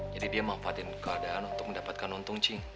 jadi dia manfaatin keadaan untuk mendapatkan untung cing